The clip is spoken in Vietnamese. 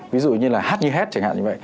ví dụ như là hát như hát chẳng hạn như vậy